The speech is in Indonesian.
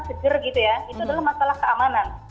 seger gitu ya itu adalah masalah keamanan